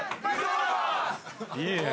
「いいね」